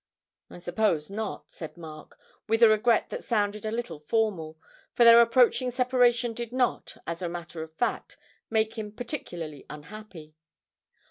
'I suppose not,' said Mark, with a regret that sounded a little formal, for their approaching separation did not, as a matter of fact, make him particularly unhappy.